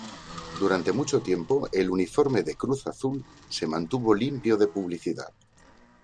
Durante mucho tiempo el uniforme del Cruz Azul se mantuvo limpio de publicidad.